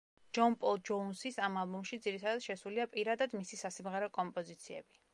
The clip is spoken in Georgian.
ჯონ პოლ ჯოუნსის ამ ალბომში ძირითადად შესულია პირადად მისი სასიმღერო კომპოზიციები.